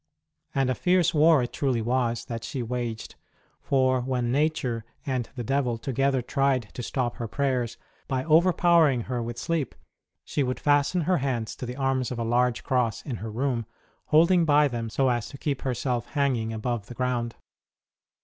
And a tierce war it truly was that she waged ; for when Nature and the devil together tried to stop her prayers by overpowering her with sleep, she would fasten her hands to the arms of a large cross in her room, holding by them so as to keep herself hanging above the ground.